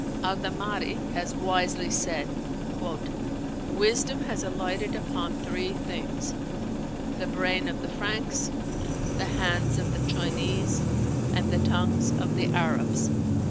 Al Damári has wisely said: "Wisdom has alighted upon three things, the brain of the Franks, the hands of the Chinese, and the tongues of the Arabs."